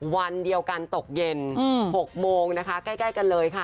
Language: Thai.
วันเดียวกันตกเย็น๖โมงนะคะใกล้กันเลยค่ะ